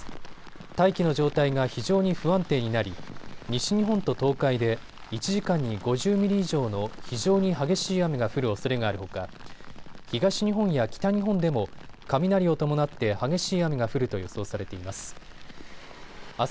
大気の状態が非常に不安定になり西日本と東海で１時間に５０ミリ以上の非常に激しい雨が降るおそれがあるほか東日本や北日本でも雷を伴って激しい雨が降ると予想されています。